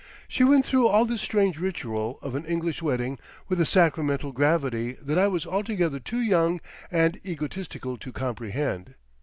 She went through all this strange ritual of an English wedding with a sacramental gravity that I was altogether too young and egotistical to comprehend.